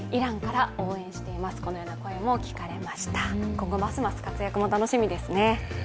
今後、ますます活躍、楽しみですね。